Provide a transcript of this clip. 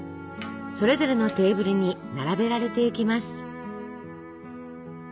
それぞれのテーブルに並べられていきます。